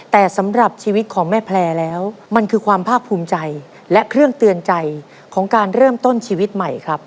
แต่สำหรับชีวิตของแม่แพลร์แล้วมันคือความภาคภูมิใจและเครื่องเตือนใจของการเริ่มต้นชีวิตใหม่ครับ